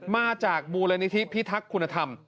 มาจากมูลนิธิพิทักษ์คุณธรรม